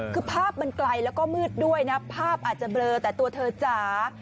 คือภาพมันไกลแล้วก็มืดด้วยนะภาพอาจจะเบลอแต่ตัวเธอจ๋า